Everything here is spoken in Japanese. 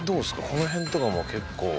この辺とかも結構。